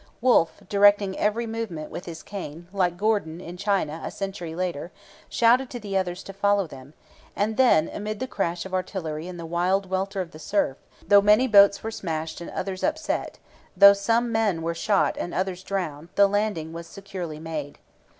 Wolfe, directing every movement with his cane, like Gordon in China a century later, shouted to the others to follow them; and then, amid the crash of artillery and the wild welter of the surf, though many boats were smashed and others upset, though some men were shot and others drowned, the landing was securely made.